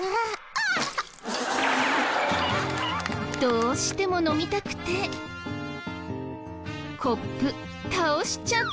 どうしても飲みたくてコップ倒しちゃった。